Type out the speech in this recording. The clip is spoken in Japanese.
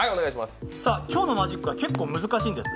今日のマジックは結構難しいんです。